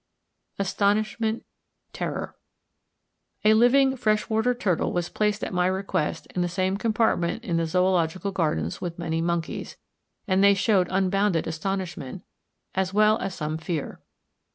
Astonishment, Terror—A living fresh water turtle was placed at my request in the same compartment in the Zoological Gardens with many monkeys; and they showed unbounded astonishment, as well as some fear.